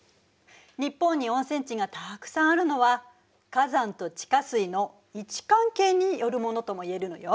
日本に温泉地がたくさんあるのは火山と地下水の位置関係によるものともいえるのよ。